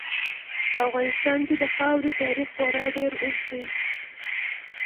په افغانستان کې د خاورې تاریخ خورا ډېر اوږد دی.